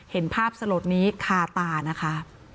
เห็นภาพสลดนี้คาตานะคะ